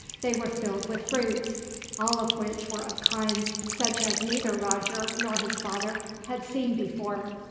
They were filled with fruits, all of which were of kinds such as neither Roger, nor his father, had seen before.